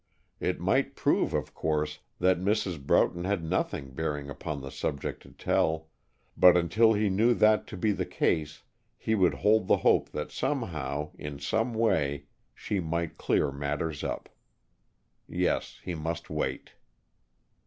It might prove, of course, that Mrs. Broughton had nothing bearing upon the subject to tell, but until he knew that to be the case he would hold the hope that somehow, in some way, she might clear matters up. Yes, he must wait.